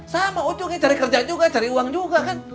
sama ujungnya cari kerja juga cari uang juga kan